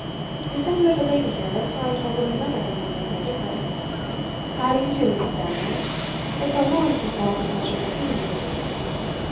'They said you had a lady here, so I told them another would make no difference. How do you do, Mrs. Damerel? It's so long since I had the pleasure of seeing you.